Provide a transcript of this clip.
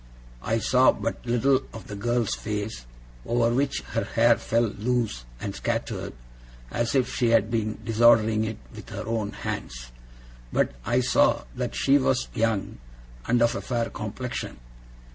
I saw but little of the girl's face, over which her hair fell loose and scattered, as if she had been disordering it with her own hands; but I saw that she was young, and of a fair complexion.